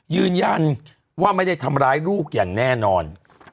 ยืนยันว่าไม่ได้ทำร้ายลูกอย่างแน่นอน